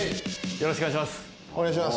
よろしくお願いします。